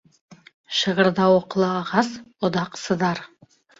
Шығырҙауыҡлы ағас оҙаҡ сыҙар